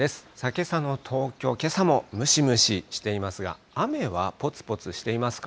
けさの東京、けさもムシムシしていますが、雨はぽつぽつしていますか？